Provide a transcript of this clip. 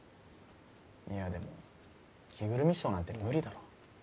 いやでも着ぐるみショーなんて無理だろ